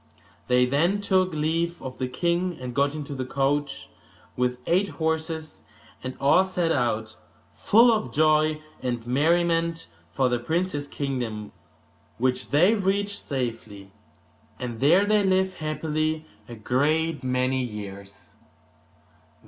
They then took leave of the king, and got into the coach with eight horses, and all set out, full of joy and merriment, for the prince's kingdom, which they reached safely; and there they lived happily a great many years.